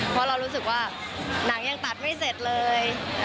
เพราะเรารู้สึกว่าหนังยังตัดไม่เสร็จเลย